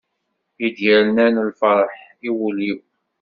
I d-yernan lferḥ i wul-iw.